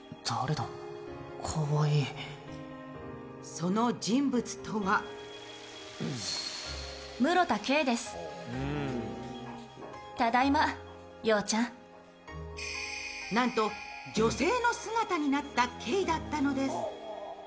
その人物とはなんと女性の姿になった慧だったのです。